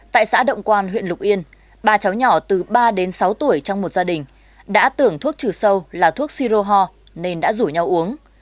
tại xã động quan huyện lục yên ba cháu nhỏ từ ba đến sáu tuổi trong một gia đình đã tưởng thuốc trừ sâu là thuốc sirohore nên đã rủ nhau uống